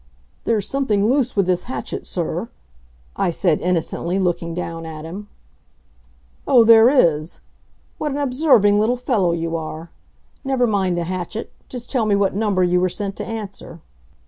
"There's something loose with this hatchet, sir," I said, innocently looking down at him. "Oh, there is? What an observing little fellow you are! Never mind the hatchet; just tell me what number you were sent to answer."